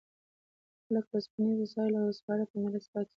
لکه اوسپنیز وسایل او سپاره په میراث پاتې و